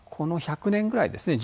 この１００年ぐらいですね